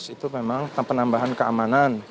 itu memang penambahan keamanan